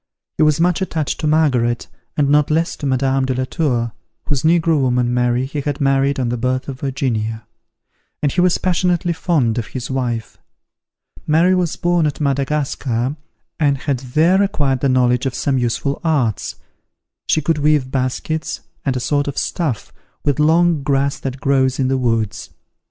He was much attached to Margaret, and not less to Madame de la Tour, whose negro woman, Mary, he had married on the birth of Virginia; and he was passionately fond of his wife. Mary was born at Madagascar, and had there acquired the knowledge of some useful arts. She could weave baskets, and a sort of stuff, with long grass that grows in the woods.